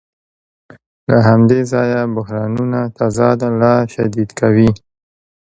له همدې ځایه بحرانونه تضاد لا شدید کوي